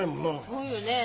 そうよねえ。